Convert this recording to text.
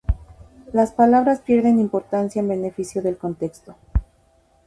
Las palabras pierden importancia en beneficio del contexto.